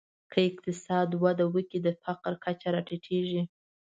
که اقتصاد وده وکړي، د فقر کچه راټیټېږي.